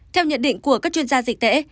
theo nhận định của các chuyên gia dịch tễ